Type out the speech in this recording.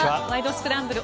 スクランブル」